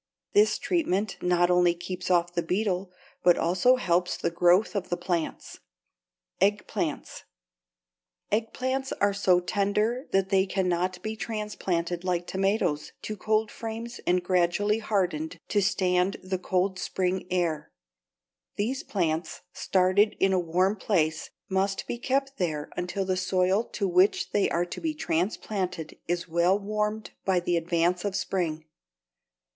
This treatment not only keeps off the beetle, but also helps the growth of the plants. =Eggplants.= Eggplants are so tender that they cannot be transplanted like tomatoes to cold frames and gradually hardened to stand the cold spring air. These plants, started in a warm place, must be kept there until the soil to which they are to be transplanted is well warmed by the advance of spring.